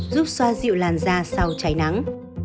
giúp xoa dịu làn da sau cháy nắng